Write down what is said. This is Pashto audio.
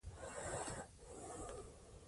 کابل اوس لږ پرچاویني ویني.